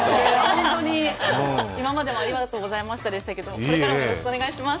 本当に今までもありがとうございましたでしたけど、これからもよろしくお願いします。